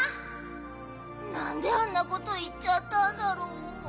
なんであんなこといっちゃったんだろう。